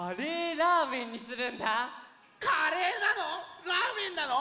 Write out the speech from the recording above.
ラーメンなの？